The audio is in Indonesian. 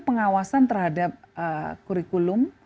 pengawasan terhadap kurikulum